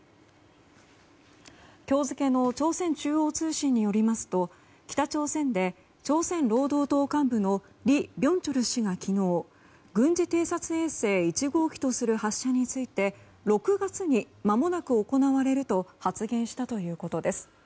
今日付の朝鮮中央通信によりますと北朝鮮で朝鮮労働党幹部のリ・ビョンチョル氏が昨日軍事偵察衛星１号機とする発射について６月に、まもなく行われると発言したということです。